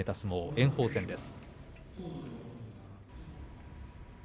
炎鵬戦です。